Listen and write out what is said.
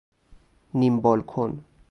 نیم بالکن